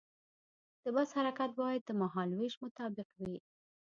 د بس حرکت باید د مهال ویش مطابق وي.